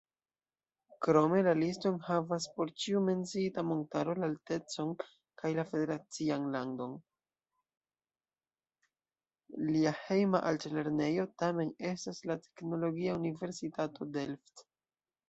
Lia "hejma" altlernejo tamen estas la Teknologia Universitato Delft.